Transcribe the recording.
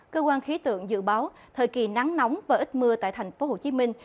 cơ quan khí tượng dự báo thời kỳ nắng nóng và ít mưa tại thành phố hồ chí minh